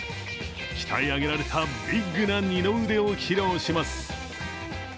期待あげられたビッグな二の腕を披露します。